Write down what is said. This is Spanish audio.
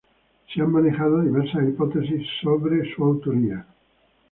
Se han manejado diversas hipótesis acerca de su autoría.